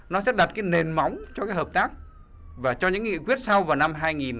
nó sẽ đặt cái nền móng cho cái hợp tác và cho những nghị quyết sau vào năm hai nghìn hai mươi ba hai nghìn hai mươi năm